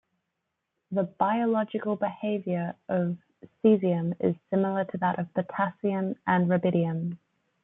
The biological behavior of caesium is similar to that of potassium and rubidium.